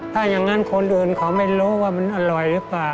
ถ้าอย่างนั้นคนอื่นเขาไม่รู้ว่ามันอร่อยหรือเปล่า